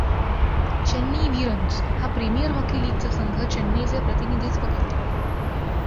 चेन्नई वीरन्स हा premier hockey लिगचा संघ चेन्नईचे प्रतिनिधित्व करतो.